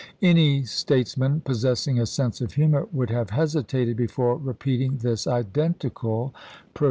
Any statesman possessing a sense of humor would have hesitated before repeating this identical pro 1 Maunsell B.